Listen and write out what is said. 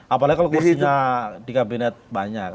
apalagi kalau kursinya di kabinet banyak